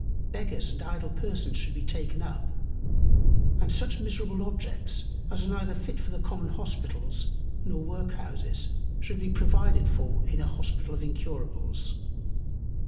Beggars and Idle Persons should be taken up, and such miserable Objects, as are neither fit for the common Hospitals, nor Work houses, should be provided for in an Hospital of Incurables.